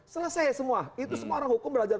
selesai semua itu semua orang hukum belajar